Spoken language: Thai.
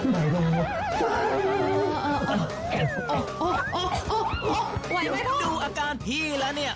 ไหวไหมดูอาการพี่แล้วเนี่ย